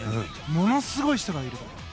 ものすごい人がいるから。